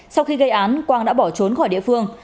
sau khi gây án quang đã bỏ trốn khỏi địa phương